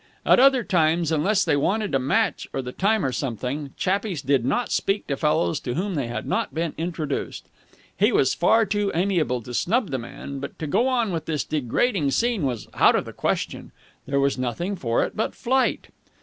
At other times, unless they wanted a match or the time or something, chappies did not speak to fellows to whom they had not been introduced. He was far too amiable to snub the man, but to go on with this degrading scene was out of the question. There was nothing for it but flight.